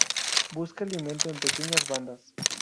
Busca alimento en pequeñas bandas.